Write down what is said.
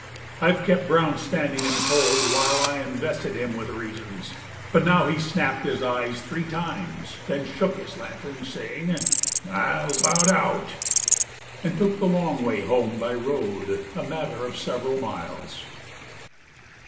I've kept Brown standing in the cold While I invested him with reasons; But now he snapped his eyes three times; Then shook his lantern, saying, "Ile's 'Bout out!" and took the long way home By road, a matter of several miles.